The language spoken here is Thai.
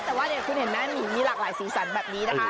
แต่ว่าเนี่ยคุณเห็นไหมมีหลากหลายสีสันแบบนี้นะคะ